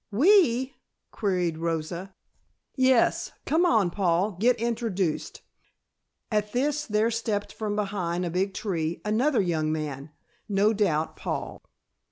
"We?" queried Rosa. "Yes. Come on, Paul; get introduced." At this there stepped from behind a big tree, another young man no doubt Paul.